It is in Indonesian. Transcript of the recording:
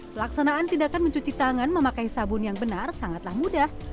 pelaksanaan tindakan mencuci tangan memakai sabun yang benar sangatlah mudah